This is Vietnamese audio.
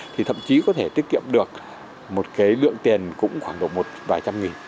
thì thậm chí có thể tiết kiệm được một cái lượng tiền cũng khoảng độ một vài trăm nghìn